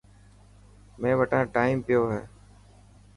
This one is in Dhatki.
مين وٽان ٽائم پيو هي.